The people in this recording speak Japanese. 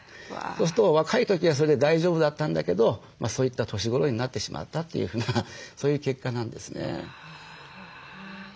そうすると若い時はそれで大丈夫だったんだけどそういった年頃になってしまったというふうなそういう結果なんですね。